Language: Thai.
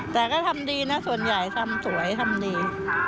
แต่ก็ทำดีนะส่วนใหญ่ทำสวยทำดี